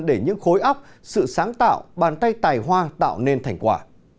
để những khối óc sự sáng tạo bàn tay tài hoa tạo nên thành quả